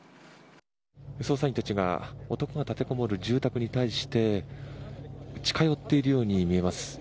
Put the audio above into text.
捜査員たちが男が立てこもる住宅に対して近寄っているように見えます。